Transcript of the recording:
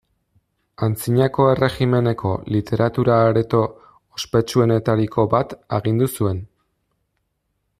Antzinako erregimeneko literatura areto ospetsuenetariko bat agindu zuen.